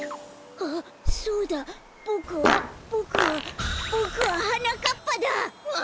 あっそうだボクはボクはボクははなかっぱだ！わ。